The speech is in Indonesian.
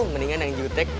mendingan yang jutek